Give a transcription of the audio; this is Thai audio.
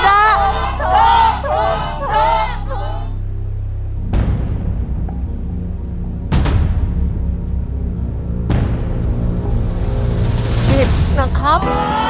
อ๋อจะหนีดนะครับ